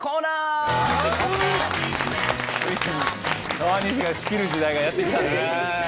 ついに川西が仕切る時代がやって来たんですね。